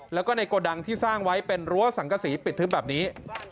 แล้วก็ในโกดังที่สร้างไว้เป็นรั้วสังกษีปิดทึบแบบนี้